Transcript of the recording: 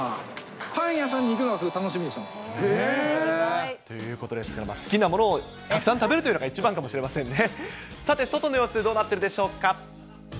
パン屋さんに行くのが楽しみでしたもの。ということですけど、好きなものをたくさん食べるというのが一番かもしれませんね。